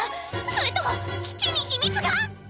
それとも土に秘密が⁉